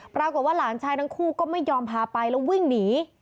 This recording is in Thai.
ปรากฏว่าหลานชายทั้งคู่ก็ไม่ยอมพาไปแล้ววิ่งหนี